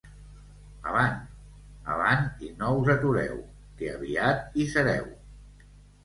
Avant, avant i no us atureu, que aviat i sereu.